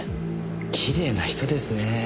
きれいな人ですね。